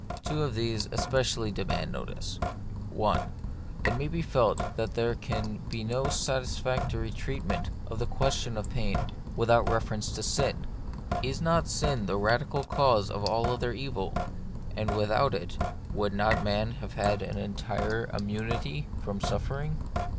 Two of these especially demand notice. 1. It may be felt that there can be no satis factory treatment of the question of pain without a reference to sin. Is not sin the radical cause of all other evil, and without it would not man have had an entire immunity from suffering